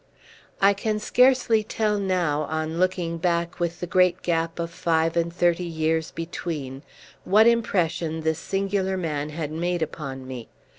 I can scarcely tell now, on looking back with the great gap of five and thirty years between, what impression this singular man had made upon me.